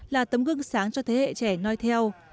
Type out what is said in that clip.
là tấm gương sáng cho thế hệ trẻ nói theo